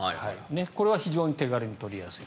これは非常に手軽に取りやすい。